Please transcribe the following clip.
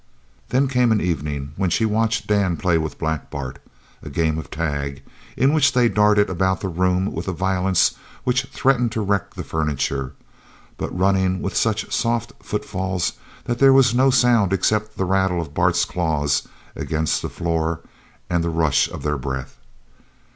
Then came an evening when she watched Dan play with Black Bart a game of tag in which they darted about the room with a violence which threatened to wreck the furniture, but running with such soft footfalls that there was no sound except the rattle of Bart's claws against the floor and the rush of their breath.